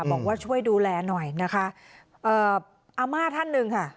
บอกว่าช่วยดูแลหน่อยนะคะเอ่ออาม่าท่านหนึ่งค่ะ